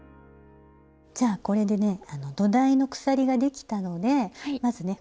じゃあこれでね土台の鎖ができたのでまずね